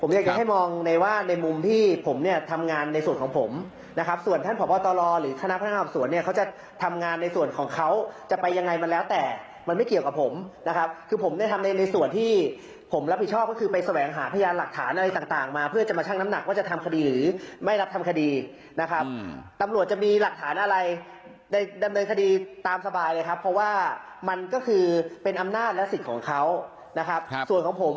ตหรือคณะพตสวนเนี่ยเขาจะทำงานในส่วนของเขาจะไปยังไงมันแล้วแต่มันไม่เกี่ยวกับผมนะครับคือผมได้ทำในส่วนที่ผมรับผิดชอบก็คือไปแสวงหาพยานหลักฐานอะไรต่างมาเพื่อจะมาชั่งน้ำหนักว่าจะทำคดีหรือไม่รับทำคดีนะครับตำรวจจะมีหลักฐานอะไรได้ดำเนินคดีตามสบายเลยครับเพราะว่ามันก็คือเป็นอำนาจและส